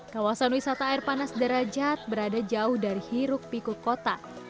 kawasan wisata air panas derajat berada jauh dari hiruk pikuk kota